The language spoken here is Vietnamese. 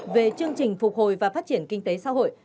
về chương trình phục hồi và phát triển kinh tế xã hội